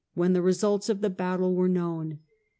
when the results of the battle were known.